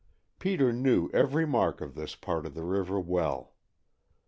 Peter knew every mark of this part of the river well.